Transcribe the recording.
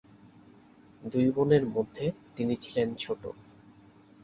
দুই বোনের মধ্যে তিনি ছিলেন ছোট।